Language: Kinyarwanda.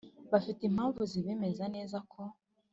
Bafite Impamvu Zibemeza Nezako